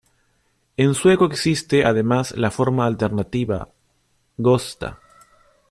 En sueco existe además la forma alternativa: Gösta.